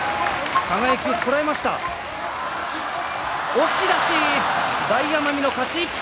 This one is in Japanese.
押し出し、大奄美の勝ち。